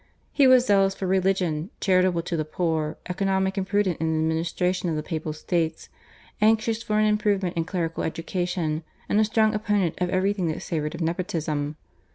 He was zealous for religion, charitable to the poor, economic and prudent in the administration of the Papal States, anxious for an improvement in clerical education, and a strong opponent of everything that savoured of nepotism.